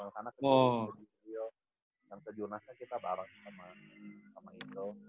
karena ke jurnas itu di rio dan ke jurnasnya kita bareng sama indro